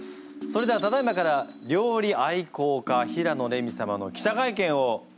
それではただいまから料理愛好家平野レミ様の記者会見を行います。